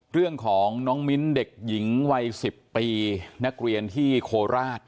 เรื่องของน้องมิ้นเด็กหญิงวัย๑๐ปีนักเรียนที่โคราช